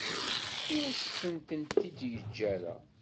Ur asen-tent-id-yeǧǧa ara.